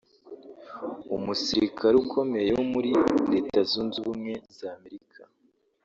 umusirikare ukomeye wo muri Leta Zunze Ubumwe z’Amerika